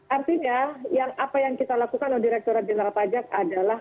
artinya apa yang kita lakukan oleh direkturat jenderal pajak adalah